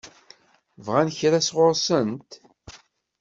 Bɣan kra sɣur-sent?